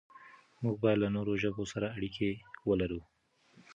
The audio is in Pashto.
موږ بايد له نورو ژبو سره اړيکې ولرو.